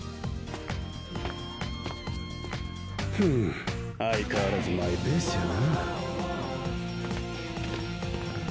ふぅ相変わらずマイペースやな。